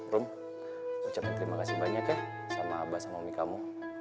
rom ucapin terima kasih banyak ya sama abah sama umi kamu